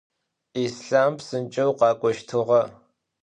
Yislham psınç'eu khak'oştığe.